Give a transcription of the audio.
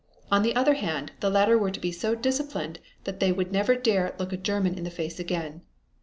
On the other hand, the latter were to be so disciplined that they would never dare look a German in the face again.